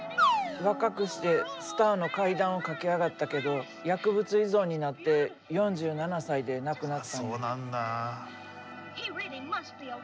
若くしてスターの階段を駆け上がったけど薬物依存になって４７歳で亡くなったんや。